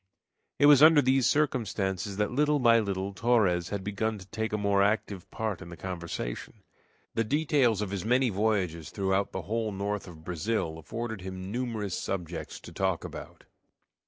It was under these circumstances that little by little Torres had begun to take a more active part in the conversation. The details of his many voyages throughout the whole north of Brazil afforded him numerous subjects to talk about.